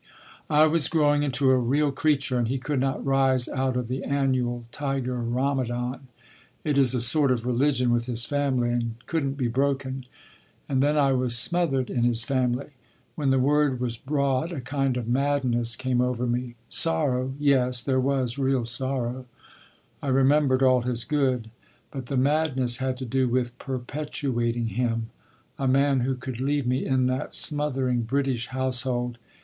I was growing into a real creature and he could not rise out of the annual tiger rhamadan. It is a sort of religion with his family—and couldn’t be broken. And then I was smothered in his family. When the word was brought a kind of madness came over me—sorrow—yes, there was real sorrow. I remembered all his good, but the madness had to do with _perpetuating him_—a man who could leave me in that smothering British household....